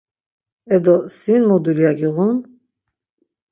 Edo sin mu dulya giğun?